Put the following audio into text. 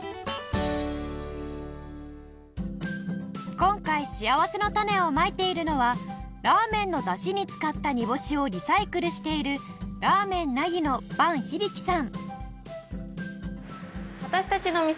今回しあわせのたねをまいているのはラーメンの出汁に使った煮干しをリサイクルしているラーメン凪の伴ひびきさん